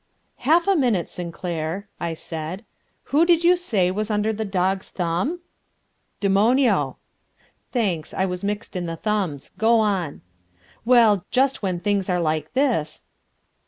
"Half a minute, Sinclair," I said, "who did you say was under the Dog's thumb?" "Demonio." "Thanks. I was mixed in the thumbs. Go on." "Well, just when things are like this...."